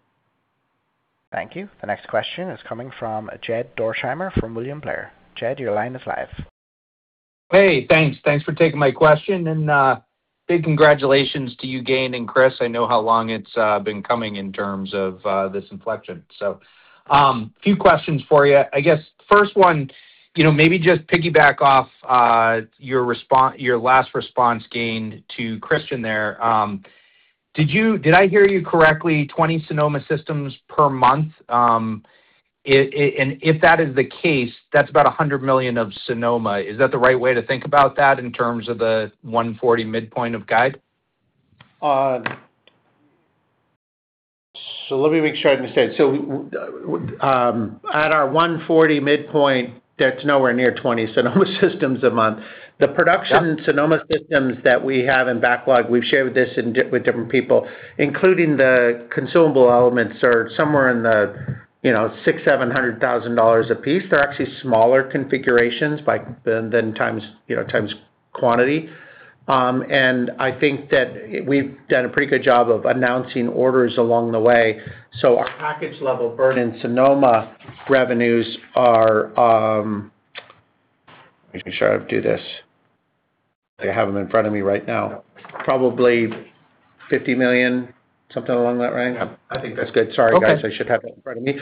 Thank you. The next question is coming from Jed Dorsheimer from William Blair. Jed, your line is live. Hey, thanks for taking my question. Big congratulations to you, Gayn and Chris. I know how long it's been coming in terms of this inflection. Few questions for you. I guess first one, maybe just piggyback off your last response, Gayn, to Christian there. Did I hear you correctly, 20 Sonoma systems per month? If that is the case, that's about $100 million of Sonoma. Is that the right way to think about that in terms of the $140 billion midpoint of guide? Let me make sure I understand. At our $140 billion midpoint, that's nowhere near 20 Sonoma systems a month. The production Sonoma systems that we have in backlog, we've shared this with different people, including the consumable elements, are somewhere in the $600,000-$700,000 apiece. They're actually smaller configurations than times quantity. I think that we've done a pretty good job of announcing orders along the way. Our package-level burn-in Sonoma revenues are—make sure I do this, I have them in front of me right now—probably $50 million, something along that range. I think that's good. Sorry, guys, I should have it in front of me.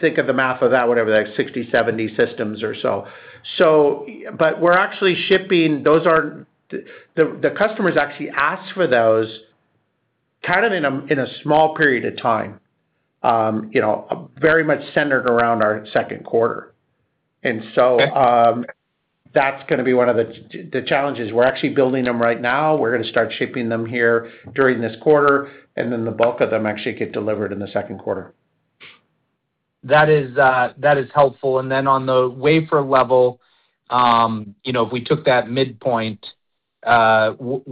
Think of the math of that, whatever, like 60, 70 systems or so. We're actually shipping—the customers actually ask for those kind of in a small period of time, very much centered around our second quarter. That's going to be one of the challenges. We're actually building them right now. We're going to start shipping them here during this quarter, and then the bulk of them actually get delivered in the second quarter. That is helpful. On the wafer-level, if we took that midpoint, I'm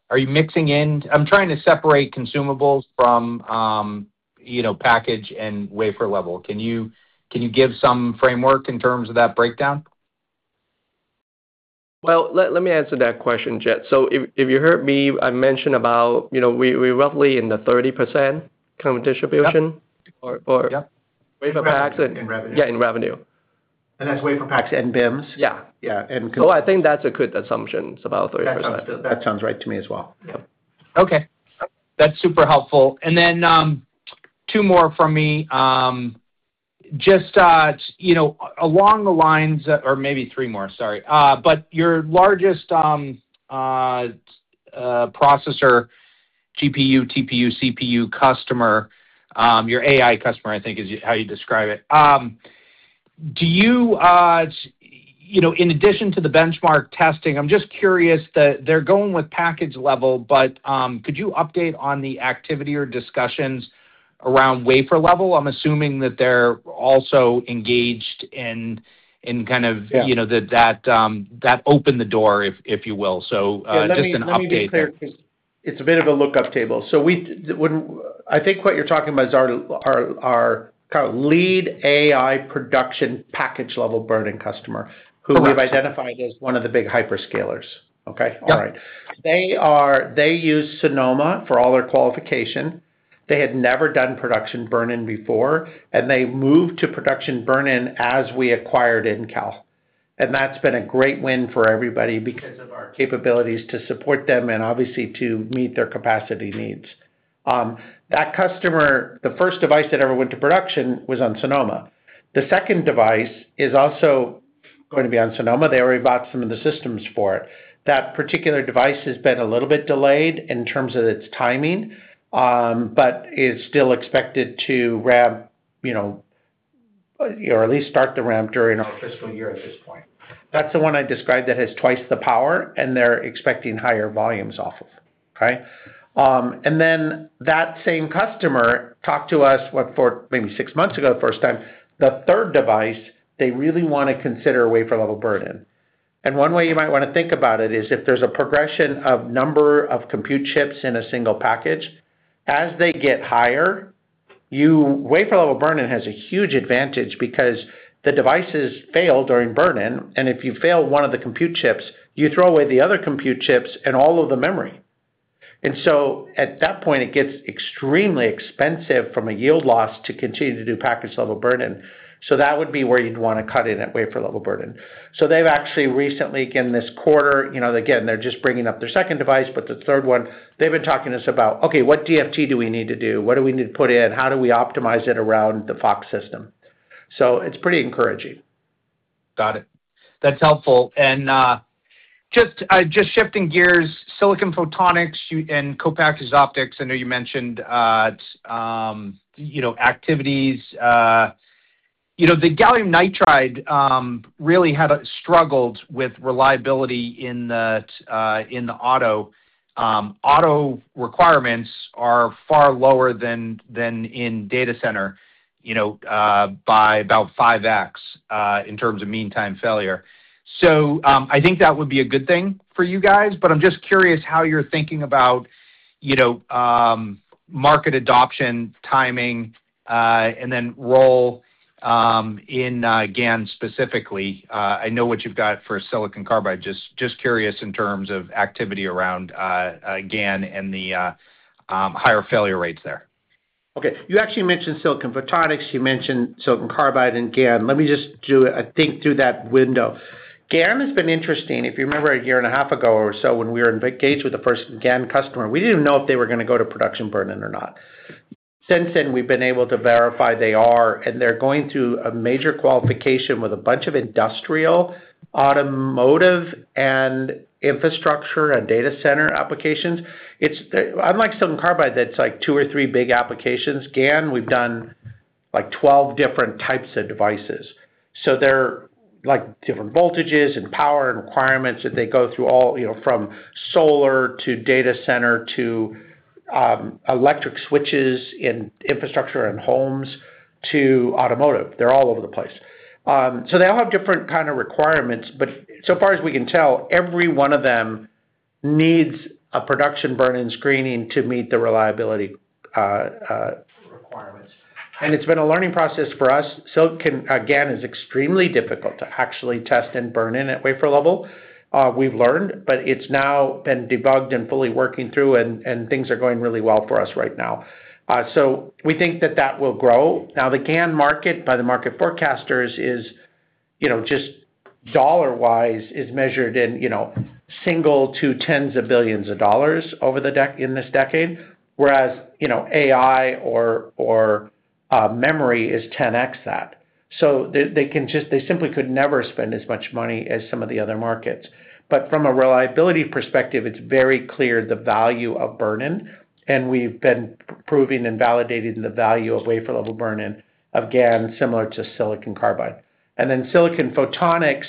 trying to separate consumables from package and wafer-level. Can you give some framework in terms of that breakdown? Let me answer that question, Jed. If you heard me, I mentioned about, we're roughly in the 30% kind of distribution. WaferPak in revenue. Yeah, in revenue. That's WaferPaks and BIMs. I think that's a good assumption. It's about 30%. That sounds good. That sounds right to me as well. That's super helpful. Then two more from me. Just along the lines—or maybe three more, sorry. Your largest processor—GPU, TPU, CPU—customer, your AI customer, I think is how you describe it. In addition to the benchmark testing, I'm just curious, they're going with package-level. Could you update on the activity or discussions around wafer-level? I'm assuming that they're also engaged in. Yeah. That opened the door, if you will. Just an update there. Let me be clear because it's a bit of a lookup table. I think what you're talking about is our kind of lead AI production package-level burn-in customer- Correct. Who we've identified as one of the big hyperscalers. They use Sonoma for all their qualification. They had never done production burn-in before, and they moved to production burn-in as we acquired Incal. That's been a great win for everybody because of our capabilities to support them and obviously to meet their capacity needs. That customer, the first device that ever went to production was on Sonoma. The second device is also going to be on Sonoma. They already bought some of the systems for it. That particular device has been a little bit delayed in terms of its timing, but is still expected to at least start the ramp during our fiscal year at this point. That's the one I described that has twice the power, and they're expecting higher volumes off of it. Then that same customer talked to us, what, maybe six months ago the first time. The third device, they really want to consider wafer-level burn-in. One way you might want to think about it is if there's a progression of number of compute chips in a single package, as they get higher, wafer-level burn-in has a huge advantage because the devices fail during burn-in, and if you fail one of the compute chips, you throw away the other compute chips and all of the memory. At that point, it gets extremely expensive from a yield loss to continue to do package-level burn-in. That would be where you'd want to cut in at wafer-level burn-in. They've actually recently, again, this quarter, they're just bringing up their second device. The third one, they've been talking to us about what DFT do we need to do? What do we need to put in? How do we optimize it around the FOX system? It's pretty encouraging. Got it. That's helpful. Just shifting gears, silicon photonics and copackage optics, I know you mentioned activities. The gallium nitride really had struggled with reliability in the auto. Auto requirements are far lower than in data center, by about 5x in terms of meantime failure. I think that would be a good thing for you guys, but I'm just curious how you're thinking about market adoption, timing, and then role in GaN specifically. I know what you've got for silicon carbide. Just curious in terms of activity around GaN and the higher failure rates there. You actually mentioned silicon photonics. You mentioned silicon carbide and GaN. Let me just think through that window. GaN has been interesting. If you remember a year and a half ago or so when we were engaged with the first GaN customer, we didn't know if they were going to go to production burn-in or not. Since then, we've been able to verify they are, and they're going to a major qualification with a bunch of industrial, automotive, infrastructure, and data center applications. Unlike silicon carbide that's two or three big applications, GaN, we've done 12 different types of devices. They're different voltages and power and requirements that they go through all—from solar to data center to electric switches in infrastructure and homes to automotive. They're all over the place. They all have different kind of requirements, but so far as we can tell, every one of them needs a production burn-in screening to meet the reliability requirements. It's been a learning process for us. GaN is extremely difficult to actually test and burn-in at wafer-level. We've learned, but it's now been debugged and fully working through, and things are going really well for us right now. We think that that will grow. The GaN market, by the market forecasters, just dollar-wise, is measured in single to tens of billions of dollars in this decade. Whereas, AI or memory is 10x that. They simply could never spend as much money as some of the other markets. From a reliability perspective, it's very clear the value of burn-in, and we've been proving and validating the value of wafer-level burn-in of GaN, similar to silicon carbide. Silicon photonics,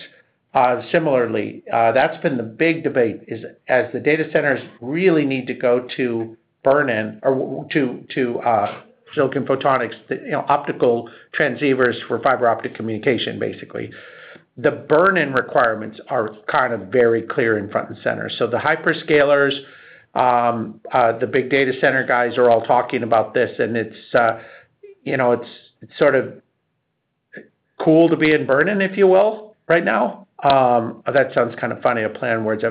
similarly. That's been the big debate. As the data centers really need to go to burn-in or to silicon photonics—optical transceivers for fiber optic communication, basically—the burn-in requirements are kind of very clear and front and center. The hyperscalers, the big data center guys are all talking about this, and it's sort of cool to be in burn-in, if you will, right now. That sounds kind of funny, a play on words.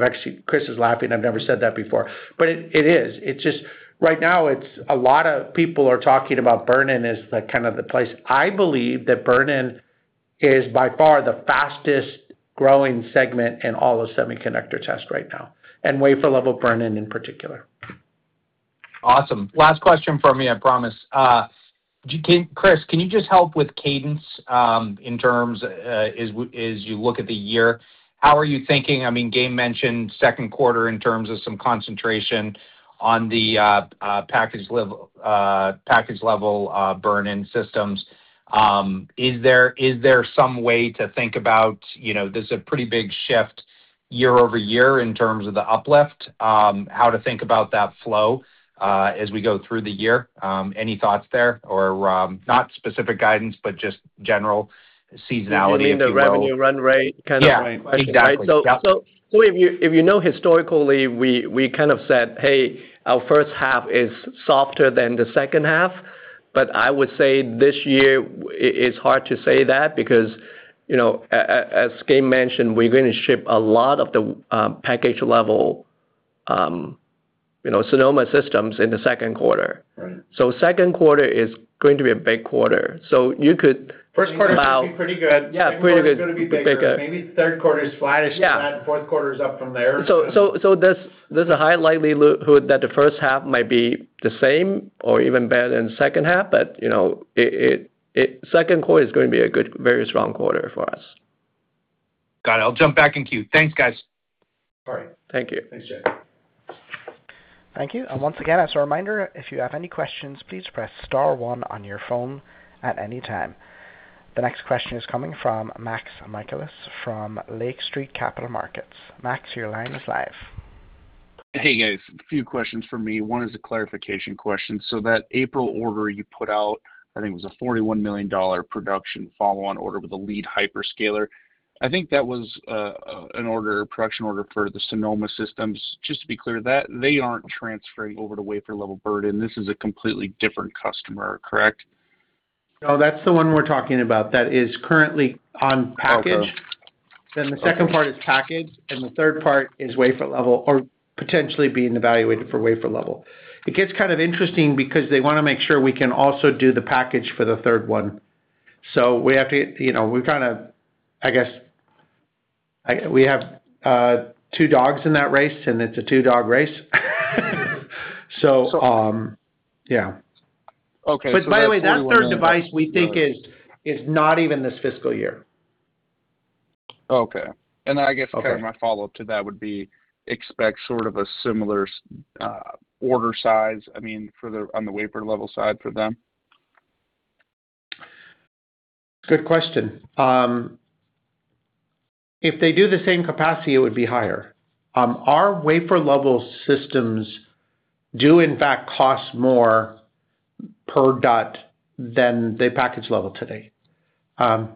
Chris is laughing. I've never said that before. It is. Right now, a lot of people are talking about burn-in as the kind of the place. I believe that burn-in is by far the fastest-growing segment in all of semiconductor test right now, and wafer-level burn-in in particular. Awesome. Last question from me, I promise. Chris, can you just help with cadence as you look at the year? How are you thinking? I mean, Gayn mentioned second quarter in terms of some concentration on the package-level burn-in systems. Is there some way to think about—there's a pretty big shift year-over-year in terms of the uplift—that flow as we go through the year? Any thoughts there, or not specific guidance, but just general seasonality, if you will. You mean the revenue run rate kind of question? Exactly. If you know historically, we kind of said, hey, our first half is softer than the second half, but I would say this year, it's hard to say that because, as Gayn mentioned, we're going to ship a lot of the package-level Sonoma systems in the second quarter. Second quarter is going to be a big quarter. First quarter will be pretty good. Yeah, pretty good. Maybe third quarter is flattish. Fourth quarter is up from there. There's a high likelihood that the first half might be the same or even better than second half, but second quarter is going to be a very strong quarter for us. Got it. I'll jump back in queue. Thanks, guys. All right. Thank you. Thanks, Jed. Thank you. Once again, as a reminder, if you have any questions, please press star one on your phone at any time. The next question is coming from Max Michaelis from Lake Street Capital Markets. Max, your line is live. Hey, guys. A few questions from me. One is a clarification question. That April order you put out, I think it was a $41 million production follow-on order with a lead hyperscaler. I think that was a production order for the Sonoma systems. Just to be clear, they aren't transferring over to wafer-level burn-in. This is a completely different customer, correct? No, that's the one we're talking about that is currently on package. The second part is package, the third part is wafer-level or potentially being evaluated for wafer-level. It gets kind of interesting because they want to make sure we can also do the package for the third one. I guess, we have two dogs in that race, and it's a two-dog race. That $41 million. By the way, that third device we think is not even this fiscal year. I guess kind of my follow-up to that would be expect sort of a similar order size, on the wafer-level side for them? Good question. If they do the same capacity, it would be higher. Our wafer-level systems do in fact cost more per DUT than the package-level today.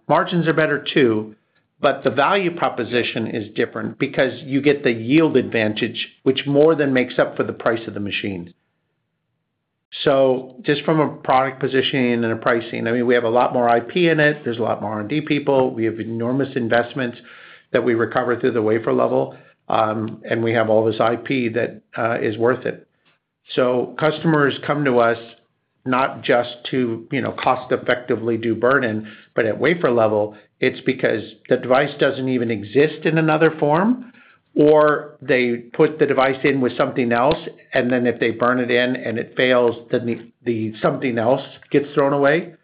Margins are better too, but the value proposition is different because you get the yield advantage, which more than makes up for the price of the machine. Just from a product positioning and a pricing, we have a lot more IP in it. There is a lot more R&D people. We have enormous investments that we recover through the wafer-level. We have all this IP that is worth it. Customers come to us not just to cost effectively do burn-in, but at wafer-level, it's because the device doesn't even exist in another form, or they put the device in with something else, and then if they burn it in and it fails, then something else gets thrown away.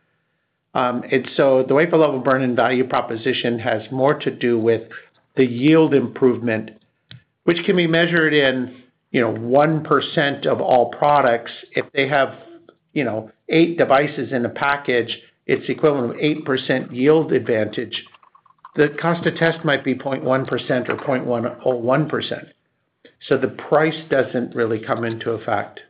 The wafer-level burn-in value proposition has more to do with the yield improvement, which can be measured in 1% of all products. If they have eight devices in a package, it's equivalent of 8% yield advantage. The cost to test might be 0.1% or 0.01%. The price doesn't really come into effect.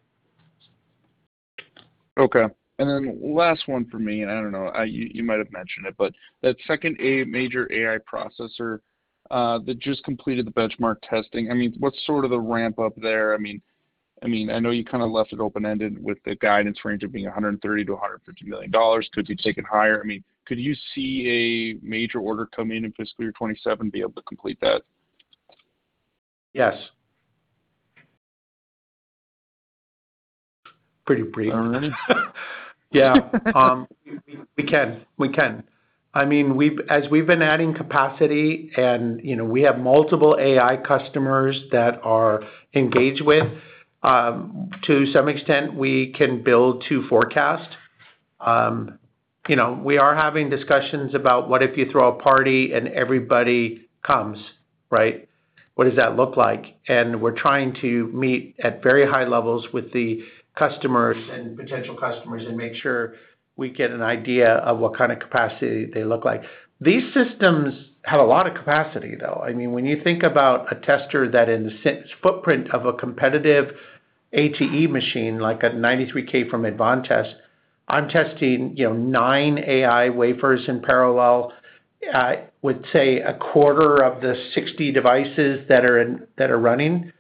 Last one for me, and I don't know, you might have mentioned it, but that second major AI processor that just completed the benchmark testing. What's sort of the ramp-up there? I know you kind of left it open-ended with the guidance range of being $130 million-$150 million. Could you take it higher? Could you see a major order come in in fiscal year 2027 be able to complete that? Yes. Pretty brief. All right. We can. As we've been adding capacity, and we have multiple AI customers that are engaged with, to some extent, we can build to forecast. We are having discussions about what if you throw a party and everybody comes. What does that look like? We're trying to meet at very high levels with the customers and potential customers and make sure we get an idea of what kind of capacity they look like. These systems have a lot of capacity, though. When you think about a tester that in the footprint of a competitive ATE machine, like a V93000 from Advantest, I'm testing nine AI wafers in parallel. I would say a quarter of the 60 devices that are running.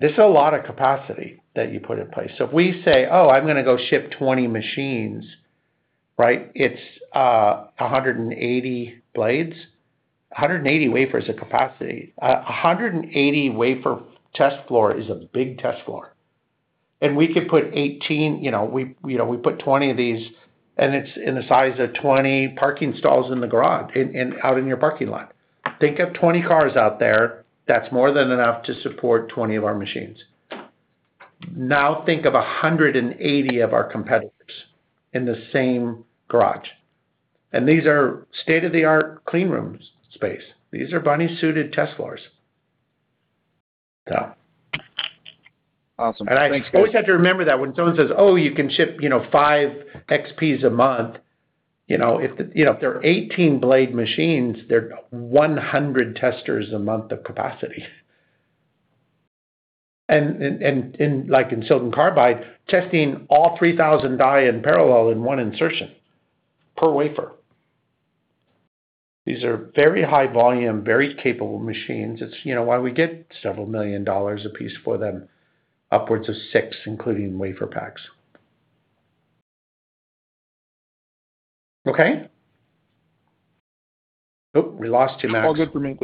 This is a lot of capacity that you put in place. If we say, oh, I'm going to go ship 20 machines. It's 180 blades, 180 wafers of capacity. 180 wafer test floor is a big test floor. We could put 20 of these, and it's in the size of 20 parking stalls in the garage and out in your parking lot. Think of 20 cars out there. That's more than enough to support 20 of our machines. Think of 180 of our competitors in the same garage, and these are state-of-the-art clean rooms space. These are bunny-suited test floors. Awesome. Thanks, guys. I always have to remember that when someone says, oh, you can ship five FOX-XPs a month. If they're 18 blade machines, they're 100 testers a month of capacity. Like in silicon carbide, testing all 3,000 die in parallel in one insertion per wafer. These are very high volume, very capable machines. It's why we get several million dollars apiece for them, upwards of six, including WaferPaks. It's all good for me.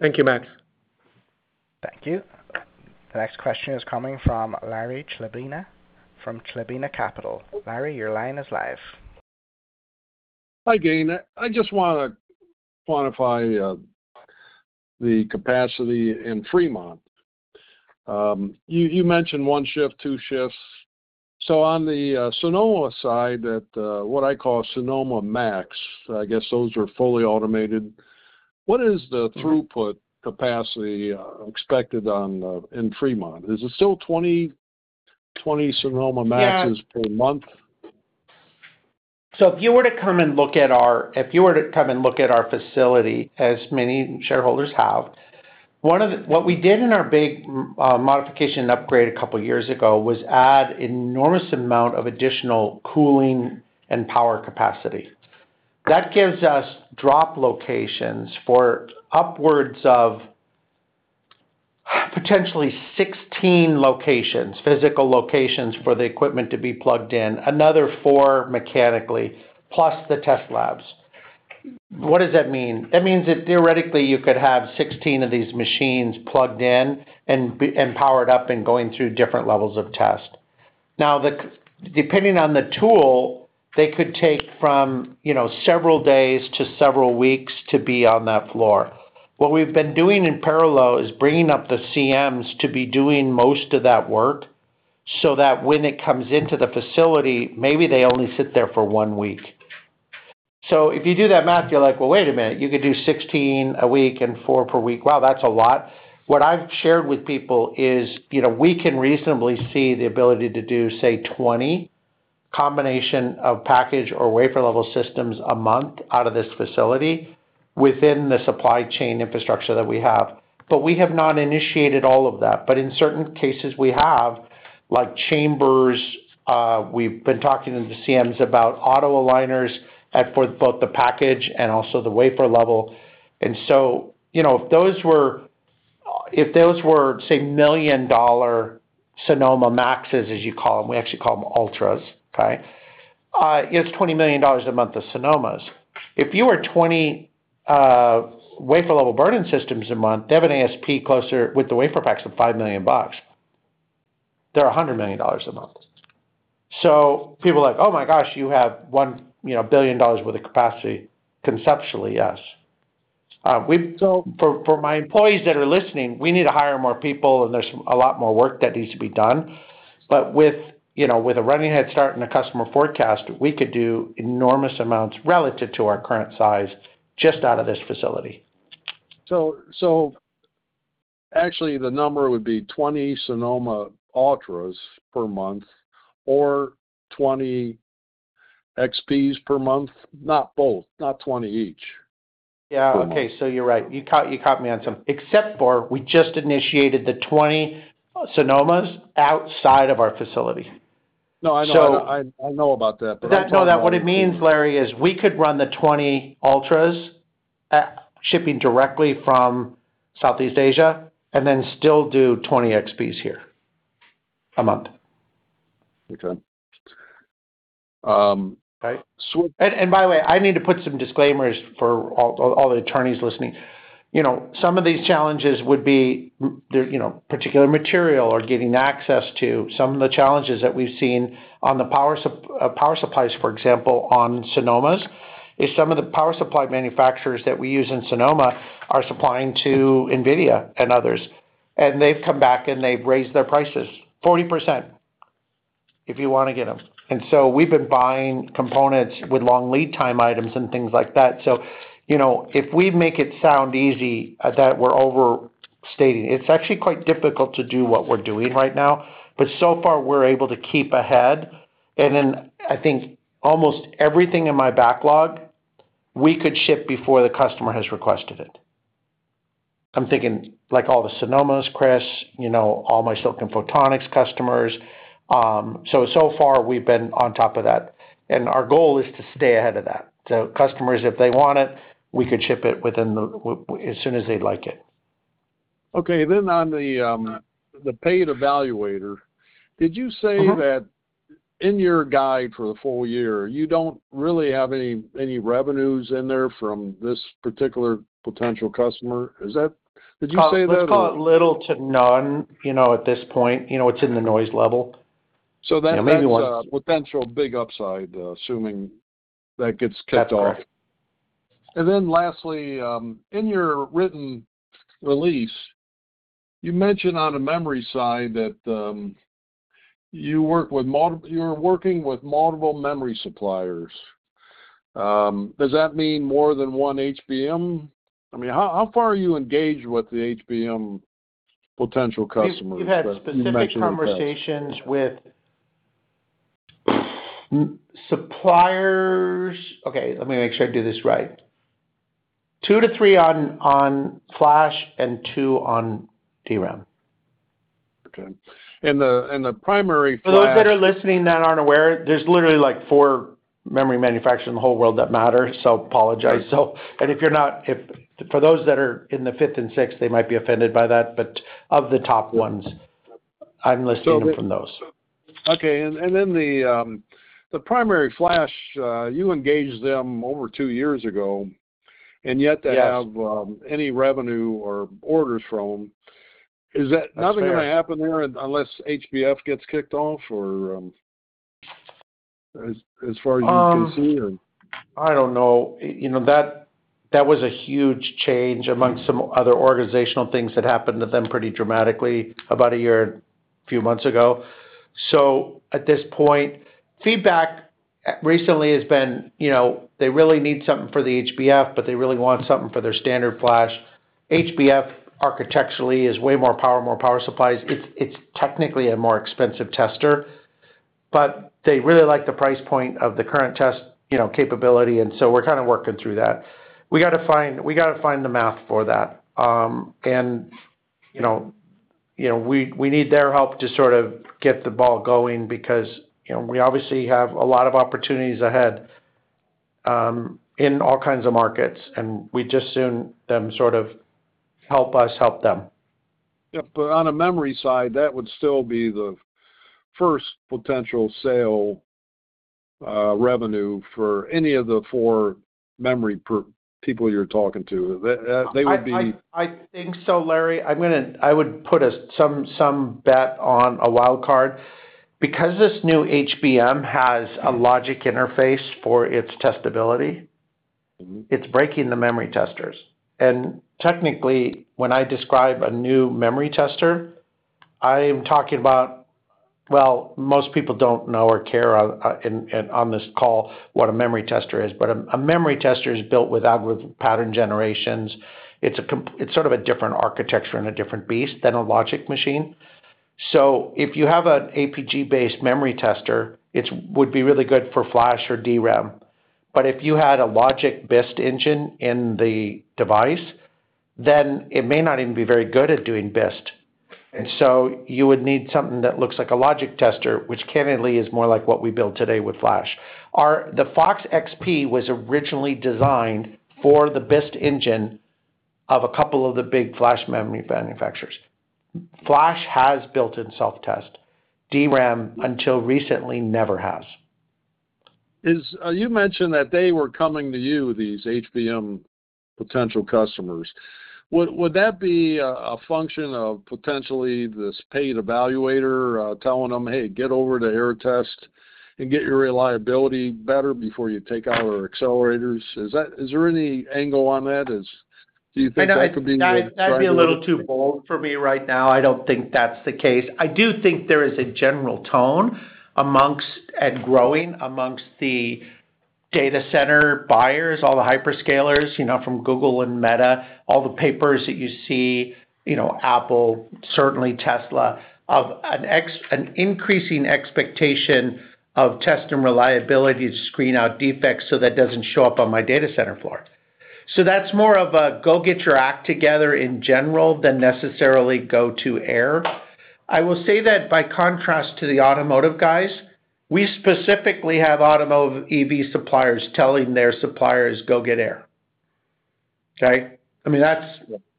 Thank you, Max. Thank you. The next question is coming from Larry Chlebina from Chlebina Capital. Larry, your line is live. Hi, Gayn. I just want to quantify the capacity in Fremont. You mentioned one shift, two shifts. On the Sonoma side, what I call Sonoma Max, I guess those are fully automated. What is the throughput capacity expected in Fremont? Is it still 20 Sonoma Maxes per month? If you were to come and look at our facility, as many shareholders have, what we did in our big modification upgrade a couple years ago was add enormous amount of additional cooling and power capacity. That gives us drop locations for upwards of potentially 16 locations, physical locations, for the equipment to be plugged in, another four mechanically, plus the test labs. What does that mean? That means that theoretically you could have 16 of these machines plugged in and powered up and going through different levels of test. Depending on the tool, they could take from several days to several weeks to be on that floor. What we've been doing in parallel is bringing up the CMs to be doing most of that work, so that when it comes into the facility, maybe they only sit there for one week. If you do that math, you're like, well, wait a minute, you could do 16 a week and four per week. Wow, that's a lot. What I've shared with people is we can reasonably see the ability to do, say, 20 combination of package or wafer-level systems a month out of this facility within the supply chain infrastructure that we have. We have not initiated all of that. In certain cases we have, like chambers, we've been talking to the CMs about AutoAligners for both the package and also the wafer-level. If those were, say, million-dollar Sonoma Maxes, as you call them—we actually call them Ultras—it's $20 million a month of Sonomas. If you were 20 wafer-level burn-in systems a month, they have an ASP closer with the WaferPaks of $5 million. They're $100 million a month. People are like, oh my gosh, you have $1 billion worth of capacity. Conceptually, yes. For my employees that are listening, we need to hire more people, and there's a lot more work that needs to be done. With a running head start and a customer forecast, we could do enormous amounts relative to our current size just out of this facility. Actually the number would be 20 Sonoma Ultras per month or 20 FOX-XPs per month, not both, not 20 each. You're right. You caught me on something. Except for, we just initiated the 20 Sonomas outside of our facility. No, I know. I know about that, I'm talking about- What it means, Larry, is we could run the 20 Ultras shipping directly from Southeast Asia then still do 20 FOX-XPs here a month. By the way, I need to put some disclaimers for all the attorneys listening. Some of these challenges would be particular material or getting access to. Some of the challenges that we've seen on the power supplies, for example, on Sonomas, is some of the power supply manufacturers that we use in Sonoma are supplying to NVIDIA and others. They've come back, and they've raised their prices 40% if you want to get them. We've been buying components with long lead time items and things like that. If we make it sound easy that we're overstating, it's actually quite difficult to do what we're doing right now. So far, we're able to keep ahead. Then I think almost everything in my backlog, we could ship before the customer has requested it. I'm thinking like all the Sonomas, Chris, all my silicon photonics customers. So far, we've been on top of that, and our goal is to stay ahead of that. Customers, if they want it, we could ship it as soon as they'd like it. On the paid evaluator, did you say that in your guide for the full year, you don't really have any revenues in there from this particular potential customer? Did you say that? Let's call it little to none at this point. It's in the noise level. That's a potential big upside, assuming that gets kicked off. [inaudible] Lastly, in your written release, you mention on the memory side that you're working with multiple memory suppliers. Does that mean more than one HBM? How far are you engaged with the HBM potential customers that you mentioned in the past? We've had specific conversations with suppliers—let me make sure I do this right—two to three on flash and two on DRAM. The primary flash- For those that are listening that aren't aware, there's literally like four memory manufacturers in the whole world that matter. Apologize. For those that are in the fifth and sixth, they might be offended by that, of the top ones I'm listing them from those. The primary flash, you engaged them over two years ago, and yet to have any revenue or orders from. Is nothing going to happen there unless HBF gets kicked off, as far as you can see? I don't know. That was a huge change amongst some other organizational things that happened to them pretty dramatically about a year and a few months ago. At this point, feedback recently has been—they really need something for the HBF, but they really want something for their standard flash. HBF architecturally is way more power, more power supplies. It's technically a more expensive tester. They really like the price point of the current test capability, we're kind of working through that. We got to find the math for that. We need their help to sort of get the ball going because we obviously have a lot of opportunities ahead in all kinds of markets, and we'd just as soon them sort of help us help them. On a memory side, that would still be the first potential sale revenue for any of the four memory people you're talking to. They would be- I think so, Larry. I would put some bet on a wild card. This new HBM has a logic interface for its testability, it's breaking the memory testers. Technically, when I describe a new memory tester, I am talking about—well, most people don't know or care on this call what a memory tester is—a memory tester is built with pattern generations. It's sort of a different architecture and a different beast than a logic machine. If you have an APG-based memory tester, it would be really good for flash or DRAM. If you had a logic BIST engine in the device, then it may not even be very good at doing BIST. You would need something that looks like a logic tester, which candidly is more like what we build today with flash. The FOX-XP was originally designed for the BIST engine of a couple of the big flash memory manufacturers. Flash has built-in self-test. DRAM, until recently, never has. You mentioned that they were coming to you, these HBM potential customers. Would that be a function of potentially this paid evaluator telling them, hey, get over to Aehr Test and get your reliability better before you take our accelerators? Is there any angle on that? Do you think that could be- That'd be a little too bold for me right now. I don't think that's the case. I do think there is a general tone and growing amongst the data center buyers, all the hyperscalers, from Google and Meta, all the papers that you see, Apple, certainly Tesla, of an increasing expectation of test and reliability to screen out defects so that doesn't show up on my data center floor. That's more of a go get your act together in general than necessarily go to Aehr. I will say that by contrast to the automotive guys, we specifically have automotive EV suppliers telling their suppliers, go get Aehr.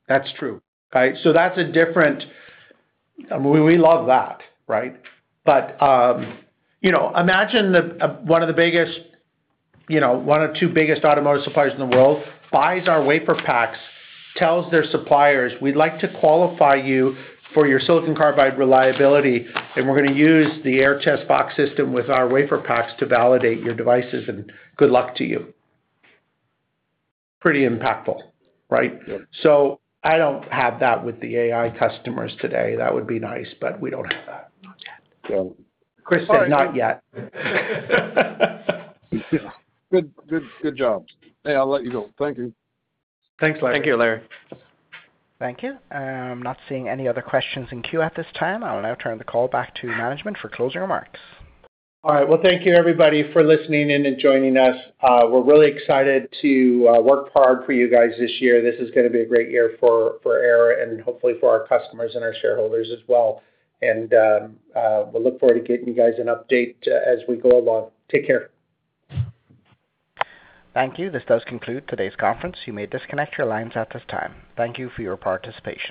That's true. We love that. Imagine one of the two biggest automotive suppliers in the world buys our WaferPaks, tells their suppliers, we'd like to qualify you for your silicon carbide reliability, and we're going to use the Aehr Test Systems box system with our WaferPaks to validate your devices, and good luck to you. Pretty impactful. I don't have that with the AI customers today. That would be nice, but we don't have that. Not yet. Chris said, not yet. Good job. Hey, I'll let you go. Thank you. Thanks, Larry. Thank you, Larry. Thank you. I'm not seeing any other questions in queue at this time. I will now turn the call back to management for closing remarks. Well, thank you, everybody, for listening in and joining us. We're really excited to work hard for you guys this year. This is going to be a great year for Aehr, and hopefully for our customers and our shareholders as well. We'll look forward to getting you guys an update as we go along. Take care. Thank you. This does conclude today's conference. You may disconnect your lines at this time. Thank you for your participation.